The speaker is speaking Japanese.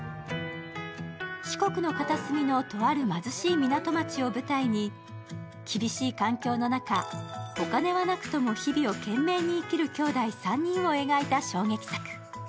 四国の片隅のとある貧しい港町を舞台に厳しい環境の中、お金はなくとも日々を懸命に生きるきょうだい３人を描いた衝撃作。